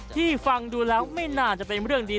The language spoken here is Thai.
ฟังดูแล้วไม่น่าจะเป็นเรื่องดี